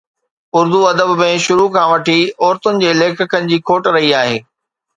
اردو ادب ۾ شروع کان وٺي عورتن جي ليکڪن جي کوٽ رهي آهي